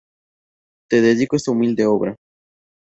Te dedico esta humilde obra.